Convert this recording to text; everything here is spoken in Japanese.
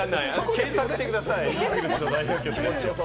検索してください。